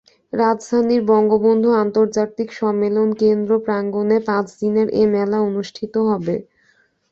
রাজধানীর বঙ্গবন্ধু আন্তর্জাতিক সম্মেলন কেন্দ্র প্রাঙ্গণে পাঁচ দিনের এ মেলা অনুষ্ঠিত হবে।